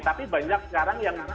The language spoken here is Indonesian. tapi banyak sekarang yang